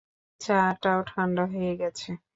চা টাও ঠান্ডা হয়ে গেছে।